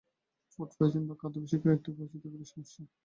Food poisoning বা খাদ্যে বিষক্রিয়া একটি পরিচিত পেটের সমস্যা।